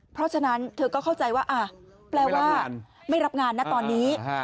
เพราะฉะนั้นเธอก็เข้าใจว่าแปลว่าไม่รับงานนะตอนนี้